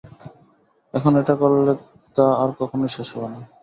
এখন এটা করলে, তা আর কখনোই শেষ হবে না।